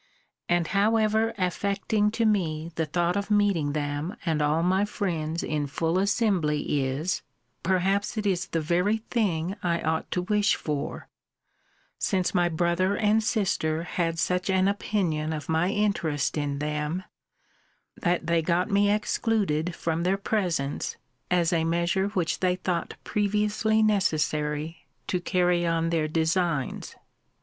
And, however affecting to me the thought of meeting them and all my friends in full assembly is, perhaps it is the very thing I ought to wish for: since my brother and sister had such an opinion of my interest in them, that they got me excluded from their presence, as a measure which they thought previously necessary to carry on their designs.